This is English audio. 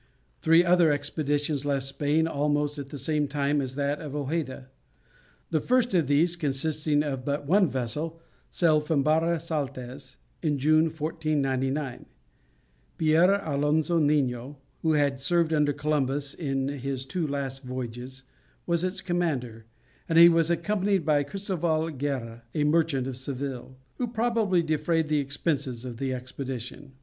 Three other expeditions left Spain almost at the same time as that of Hojeda. The first of these, consisting of but one vessel, sailed from Barra Saltez in June 1499. Pier Alonzo Nino, who had served under Columbus in his two last voyages, was its commander, and he was accompanied by Christoval Guerra, a merchant of Seville, who probably defrayed the expenses of the expedition.